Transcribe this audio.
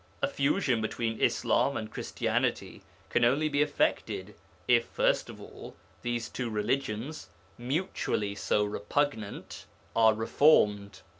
A fusion between Islam and Christianity can only be effected if first of all these two religions (mutually so repugnant) are reformed.